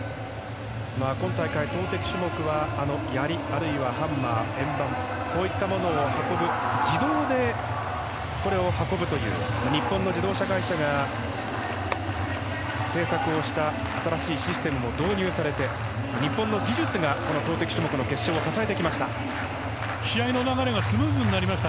今大会、投てき種目はやり、あるいはハンマー円盤、こういったものを自動で運ぶという日本の自動車会社が製作をした新しいシステムも導入されて日本の技術が投てき種目の決勝を支えてきました。